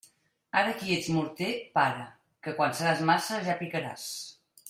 Ara qui ets morter, para; que quan seràs maça ja picaràs.